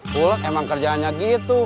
kulek emang kerjaannya gitu